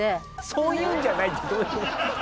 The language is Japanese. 「そういうんじゃない」ってどういう。